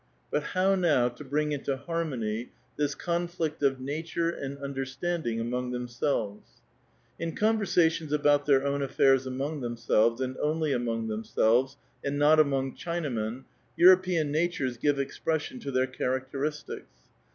But how now to bring into harmony this conflict of nature and understanding among themselves ? In conversations about their own affairs among themselves, and only among themselves, and not among Chinamen, European natures give expression to their characteristics.